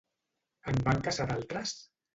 En van caçar d'altres?